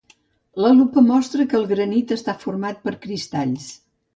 La lupa mostra que el granit està format per cristalls.